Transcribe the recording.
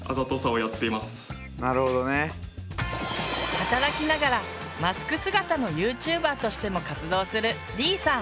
働きながらマスク姿のＹｏｕＴｕｂｅｒとしても活動するでぃーさん。